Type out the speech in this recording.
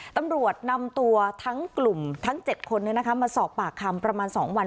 ตำรวจนำตัวทั้งกลุ่มทั้ง๗คนมาสอบปากคำประมาณ๒วัน